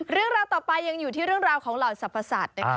เรื่องราวต่อไปยังอยู่ที่เรื่องราวของเหล่าสรรพสัตว์นะคะ